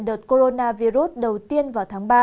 đợt coronavirus đầu tiên vào tháng ba